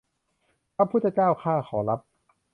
พระพุทธเจ้าข้าขอรับ